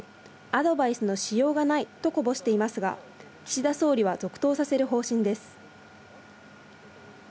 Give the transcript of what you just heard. アドバイスのしようがないとこぼしていますが、岸田総理は続投させる方針です。